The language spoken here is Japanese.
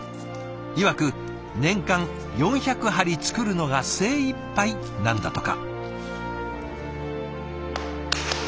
いわく年間４００張り作るのが精いっぱいなんだとか。